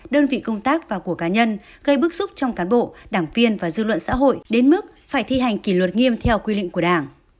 đơn vị công tác và của cá nhân gây bức xúc trong cán bộ đảng viên và dư luận xã hội đến mức phải thi hành kỷ luật nghiêm theo quy định của đảng